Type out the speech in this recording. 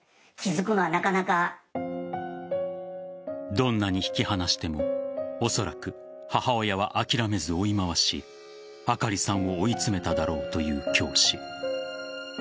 どんなに引き離してもおそらく母親は諦めず追い回しあかりさんを追い詰めただろうという教師。